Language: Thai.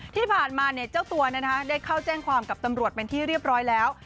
ที่ผ่านมาเจ้าตัวได้เข้าแจ้งความกับตำรวจเป็นที่เรียบร้อยแล้ว